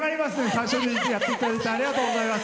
最初にやっていただいてありがとうございます。